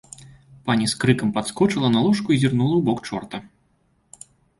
Пані з крыкам падскочыла на ложку і зірнула ў бок чорта.